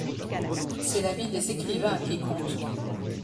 C'est la vie des écrivains qui compte.